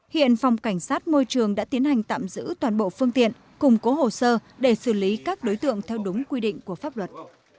hiện phòng cảnh sát môi trường đã tiến hành tạm giữ toàn bộ phương tiện cùng cố hồ sơ để xử lý các đối tượng theo đúng quy định của pháp luật